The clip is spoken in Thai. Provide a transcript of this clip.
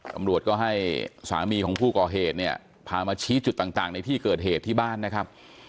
ตำรวจก็ให้สามีของผู้ก่อเหตุเนี่ยพามาชี้จุดต่างในที่เกิดเหตุที่บ้านนะครับ